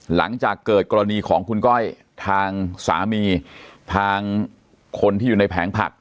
หลังจากเกิดกรณีของคุณก้อยทางสามีทางคนที่อยู่ในแผงผัก